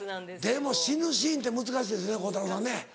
でも死ぬシーンって難しいですね鋼太郎さんね。